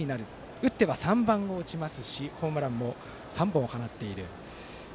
打っては３番を打ちますしホームランも３本放っている。